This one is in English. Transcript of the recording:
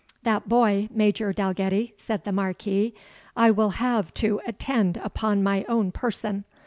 "That boy, Major Dalgetty," said the Marquis, "I will have to attend upon my own person.